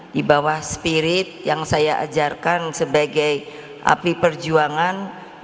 di bawah spirit yang saya ajarkan sebagai api perjuangan